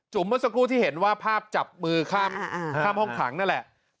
เมื่อสักครู่ที่เห็นว่าภาพจับมือข้ามห้องขังนั่นแหละ